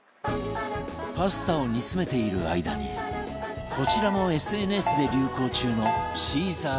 パスタを煮詰めている間にこちらの ＳＮＳ で流行中のシーザーサラダ